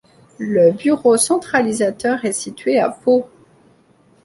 Le bureau centralisateur est situé à Pau.